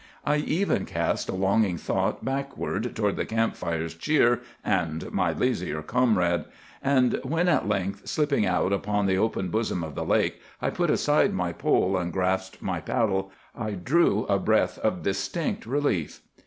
I even cast a longing thought backward toward the camp fire's cheer and my lazier comrade; and when at length, slipping out upon the open bosom of the lake, I put aside my pole and grasped my paddle, I drew a breath of distinct relief.